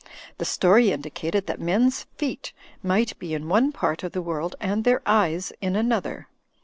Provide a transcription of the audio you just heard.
The story indicated that men's feet might be in one part of the world and their eyes in another.